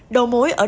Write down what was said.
đồ mối ở đồng nai